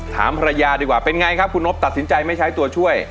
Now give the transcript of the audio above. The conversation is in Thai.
ถามภรรยาดีกว่าเป็นไงครับคุณนบตัดสินใจไม่ใช้ตัวช่วย